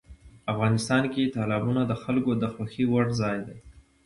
افغانستان کې تالابونه د خلکو د خوښې وړ ځای دی.